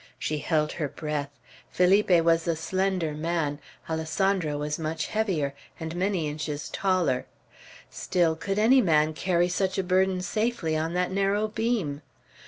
She held her breath. Felipe was a slender man; Alessandro was much heavier, and many inches taller. Still, could any man carry such a burden safely on that narrow beam!